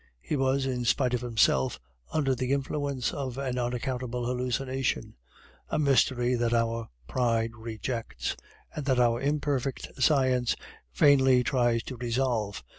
He was, in spite of himself, under the influence of an unaccountable hallucination, a mystery that our pride rejects, and that our imperfect science vainly tries to resolve.